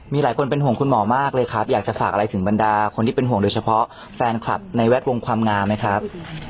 มีหลายคนเป็นห่วงคุณหมอมากเลยครับอยากจะฝากอะไรถึงบรรดาคนที่เป็นห่วงโดยเฉพาะแฟนคลับในแวดวงความงามไหมครับ